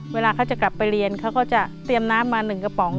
เวลาเขาจะกลับไปเรียนเขาก็จะเตรียมน้ำมา๑กระป๋อง